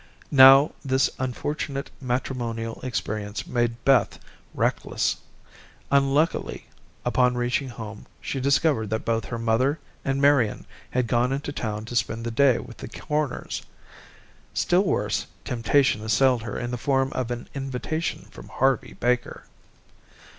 Now this unfortunate matrimonial experience made Beth reckless. Unluckily, upon reaching home, she discovered that both her mother and Marian had gone into town to spend the day with the Corners. Still worse, temptation assailed her in the form of an invitation from Harvey Baker.